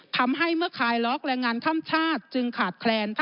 ทำให้เมื่อคลายล็อกแรงงานข้ามชาติจึงขาดแคลน